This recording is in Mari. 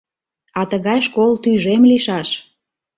А тыгай школ тӱжем лийшаш.